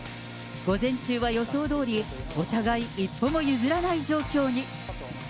午前中は予想どおり、お互い一歩も譲らない状況に。